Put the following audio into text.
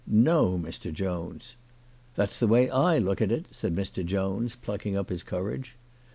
" No, Mr. Jones !" "That's the way I look at it," said Mr. Jones, plucking up his courage.